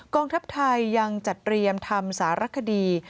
ทัพไทยยังจัดเตรียมทำสารคดี